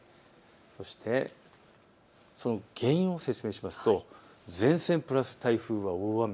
そしてその原因を説明しますと前線プラス台風は大雨。